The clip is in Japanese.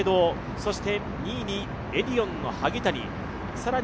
そして２位にエディオンの萩谷さらに